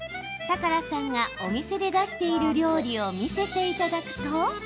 高良さんが、お店で出している料理を見せていただくと。